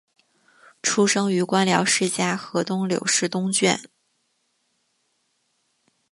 出生于官僚世家河东柳氏东眷。